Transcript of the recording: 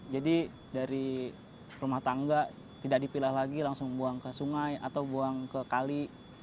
jadi dari rumah tangga tidak dipilah lagi langsung buang ke sungai atau buang ke kali